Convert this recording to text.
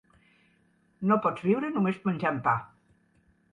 No pots viure només menjant pa.